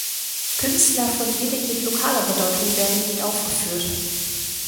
Künstler von lediglich lokaler Bedeutung werden nicht aufgeführt.